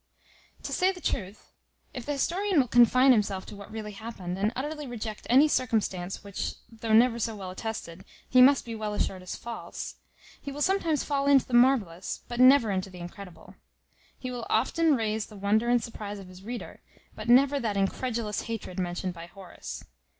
To say the truth, if the historian will confine himself to what really happened, and utterly reject any circumstance, which, though never so well attested, he must be well assured is false, he will sometimes fall into the marvellous, but never into the incredible. He will often raise the wonder and surprize of his reader, but never that incredulous hatred mentioned by Horace.